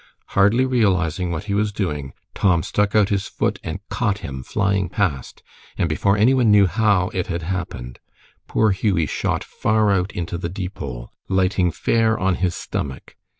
Hardly realizing what he was doing, Tom stuck out his foot and caught him flying past, and before any one knew how it had happened, poor Hughie shot far out into the Deepole, lighting fair on his stomach.